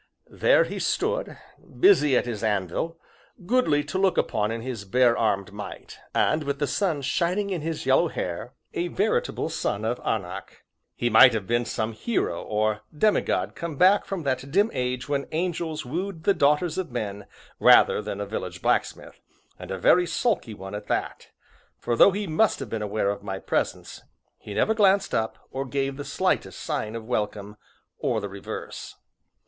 There he stood, busy at his anvil, goodly to look upon in his bare armed might, and with the sun shining in his yellow hair, a veritable son of Anak. He might have been some hero, or demigod come back from that dim age when angels wooed the daughters of men, rather than a village blacksmith, and a very sulky one at that; for though he must have been aware of my presence, he never glanced up or gave the slightest sign of welcome, or the reverse.